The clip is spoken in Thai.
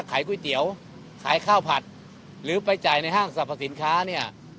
ขายก๋วยเตี๋ยวขายข้าวผัดหรือไปจ่ายในห้างสรรพสินค้าเนี่ย